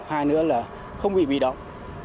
hai nữa là không bị bị động